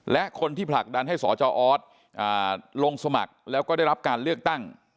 และคนที่ผลักดันให้สจออสลงสมัครแล้วก็ได้รับการเลือกตั้ง